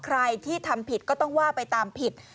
ใครที่ทำผิดก็ต้องว่าไปตามผิด